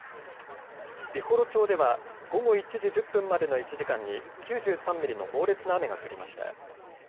美幌町では午後１時１０分までの１時間に９３ミリの猛烈な雨が降りました。